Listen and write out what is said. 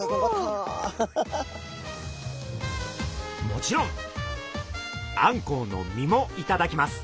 もちろんあんこうの身もいただきます。